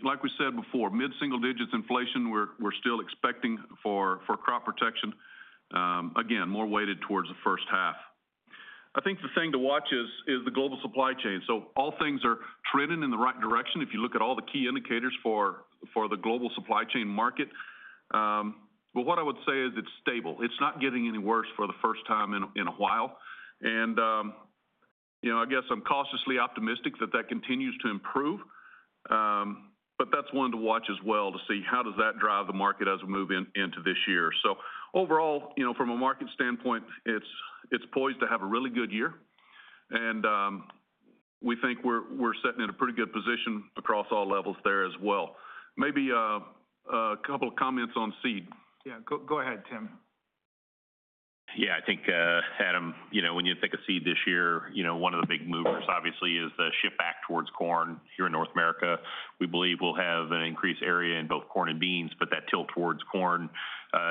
Like we said before, mid-single digits inflation, we're still expecting for crop protection, again, more weighted towards the first half. I think the thing to watch is the global supply chain. All things are trending in the right direction if you look at all the key indicators for the global supply chain market. What I would say is it's stable. It's not getting any worse for the first time in a while. You know, I guess I'm cautiously optimistic that that continues to improve. That's one to watch as well to see how does that drive the market as we move into this year. Overall, you know, from a market standpoint, it's poised to have a really good year. We think we're sitting in a pretty good position across all levels there as well. Maybe a couple of comments on seed. Yeah. Go ahead, Tim. Yeah, I think, Adam, you know, when you think of seed this year, you know, one of the big movers obviously is the shift back towards corn here in North America. We believe we'll have an increased area in both corn and beans. That tilt towards corn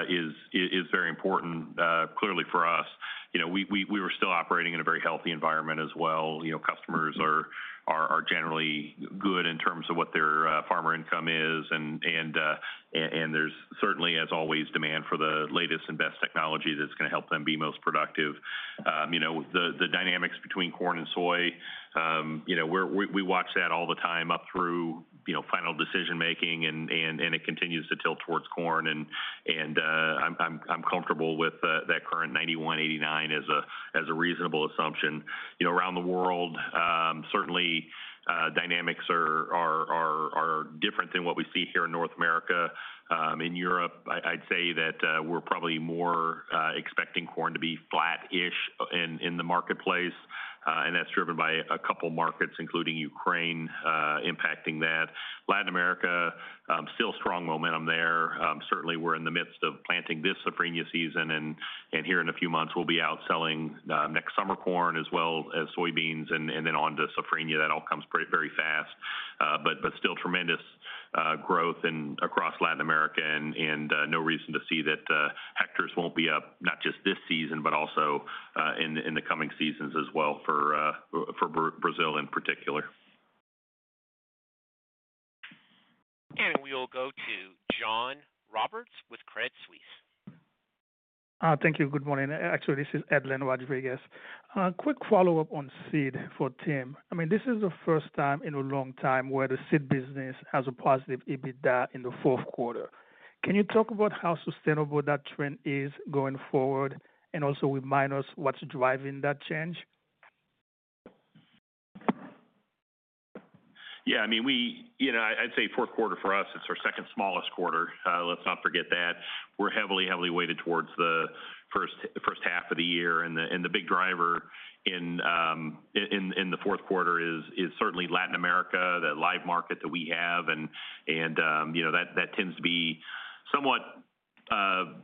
is very important clearly for us. You know, we were still operating in a very healthy environment as well. You know, customers are generally good in terms of what their farmer income is and there's certainly, as always, demand for the latest and best technology that's gonna help them be most productive. You know, the dynamics between corn and soy, you know, we watch that all the time up through, you know, final decision-making and it continues to tilt towards corn and I'm comfortable with that current 91, 89 as a reasonable assumption. You know, around the world, certainly, dynamics are different than what we see here in North America. In Europe, I'd say that, we're probably more expecting corn to be flat-ish in the marketplace, and that's driven by a couple markets, including Ukraine, impacting that. Latin America, still strong momentum there. Certainly we're in the midst of planting this safrinha season and here in a few months we'll be out selling next summer corn as well as soybeans and then on to safrinha. That all comes pre-very fast. But still tremendous growth across Latin America and no reason to see that hectares won't be up not just this season, but also in the coming seasons as well for Brazil in particular. We will go to John Roberts with Credit Suisse. Thank you. Good morning. Actually, this is Edlain. Quick follow-up on seed for Tim. I mean, this is the first time in a long time where the seed business has a positive EBITDA in the Q4. Can you talk about how sustainable that trend is going forward? Also remind us what's driving that change. Yeah, I mean, you know, I'd say Q4 for us, it's our second smallest quarter. Let's not forget that. We're heavily weighted towards the first half of the year. The big driver in the Q4 is certainly Latin America, the live market that we have. You know, that tends to be somewhat,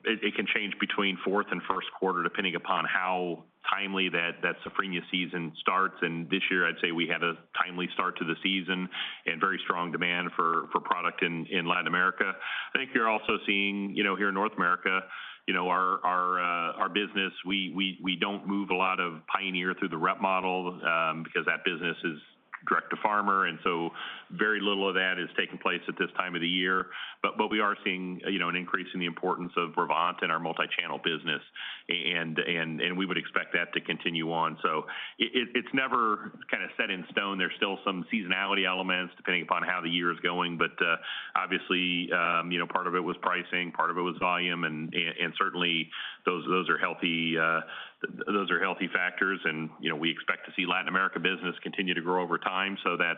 it can change between Q4 and Q1 depending upon how timely that safrinha season starts. This year, I'd say we had a timely start to the season and very strong demand for product in Latin America. I think you're also seeing here in North America, our business, we don't move a lot of Pioneer through the rep model because that business is direct to farmer and so very little of that is taking place at this time of the year. We are seeing an increase in the importance of Brevant and our multichannel business and we would expect that to continue on. It's never kind of set in stone. There's still some seasonality elements depending upon how the year is going. Obviously, part of it was pricing, part of it was volume, and certainly those are healthy factors. You know, we expect to see Latin America business continue to grow over time so that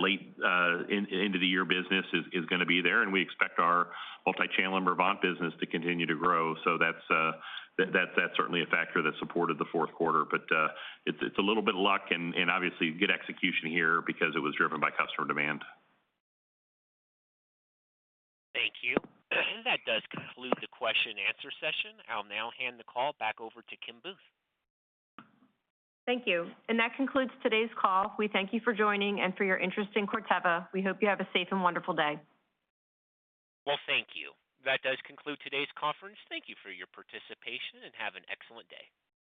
late end of the year business is gonna be there. We expect our multichannel and Brevant business to continue to grow. That's certainly a factor that supported the Q4. It's a little bit luck and obviously good execution here because it was driven by customer demand. Thank you. That does conclude the question and answer session. I'll now hand the call back over to Kim Booth. Thank you. That concludes today's call. We thank you for joining and for your interest in Corteva. We hope you have a safe and wonderful day. Well, thank you. That does conclude today's conference. Thank you for your participation and have an excellent day.